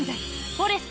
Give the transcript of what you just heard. フォレスタ